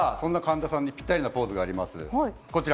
そんな神田さんにぴったりのポーズがあります。